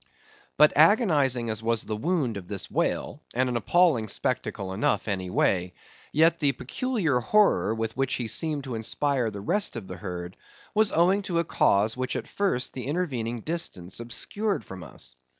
But agonizing as was the wound of this whale, and an appalling spectacle enough, any way; yet the peculiar horror with which he seemed to inspire the rest of the herd, was owing to a cause which at first the intervening distance obscured from us.